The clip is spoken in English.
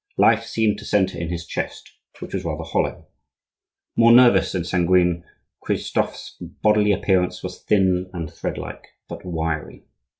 Life seemed to centre in his chest, which was rather hollow. More nervous than sanguine, Cristophe's bodily appearance was thin and threadlike, but wiry.